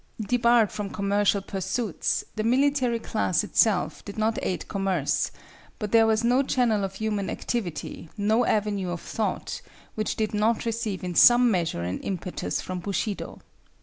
Debarred from commercial pursuits, the military class itself did not aid commerce; but there was no channel of human activity, no avenue of thought, which did not receive in some measure an impetus from Bushido.